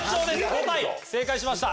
５体正解しました